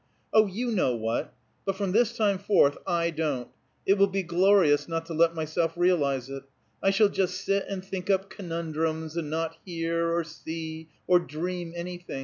"Oh, you know what. But from this time forth I don't. It will be glorious not to let myself realize it. I shall just sit and think up conundrums, and not hear, or see, or dream anything.